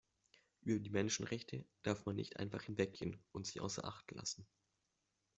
Über die Menschenrechte darf man nicht einfach hinweggehen und sie außer Acht lassen.